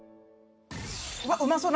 うわっうまそう！